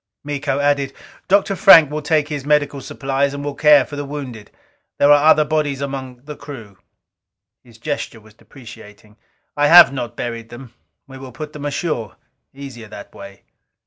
Miko added, "Dr. Frank will take his medical supplies and will care for the wounded. There are other bodies among the crew." His gesture was deprecating. "I have not buried them. We will put them ashore; easier that way."